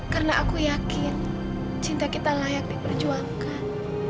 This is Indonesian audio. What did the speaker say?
karena aku yakin cinta kita layak diperjuangkan